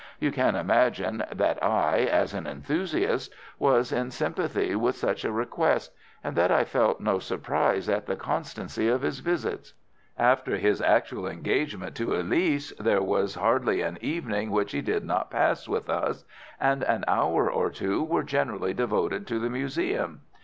You can imagine that I, as an enthusiast, was in sympathy with such a request, and that I felt no surprise at the constancy of his visits. After his actual engagement to Elise, there was hardly an evening which he did not pass with us, and an hour or two were generally devoted to the museum.